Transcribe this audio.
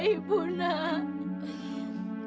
sama ibu nak